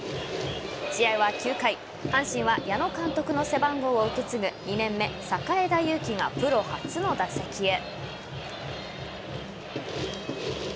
試合は９回阪神は矢野監督の背番号を受け継ぐ２年目榮枝裕樹がプロ初の打席へ。